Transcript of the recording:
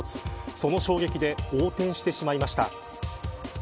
その衝撃で横転してしまいました。